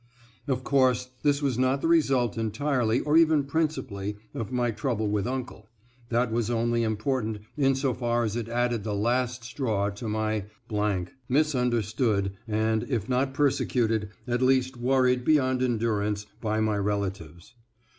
Of course, this was not the result entirely, or even principally, of my trouble with uncle. That was only important insofar as it added the last straw to my .... misunderstood and, if not persecuted, at least worried beyond endurance, by my relatives.